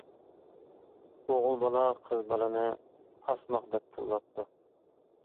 ئوغۇل بالا قىز بالىنى قاسماق دەپ تىللاپتۇ.